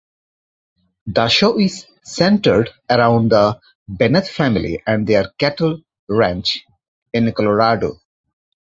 The show is centered around the Bennett family and their cattle ranch in Colorado.